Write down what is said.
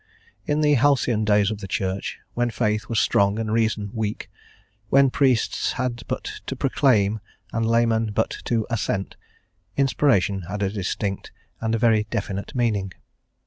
In the halcyon days of the Church, when faith was strong and reason weak, when priests had but to proclaim and laymen but to assent, Inspiration had a distinct and a very definite meaning.